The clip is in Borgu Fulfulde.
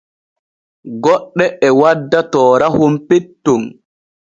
Goɗɗe e wadda toorahon petton.